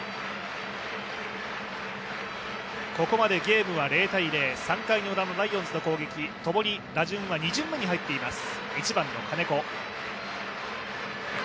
ここまでゲームは０−０、３回ウラのライオンズの攻撃、共に打順は２巡目に入っています。